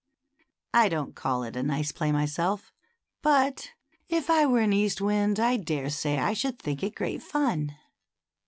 I don't call it a nice play myself ; but if I were an East wind I dare say I should think it great fun.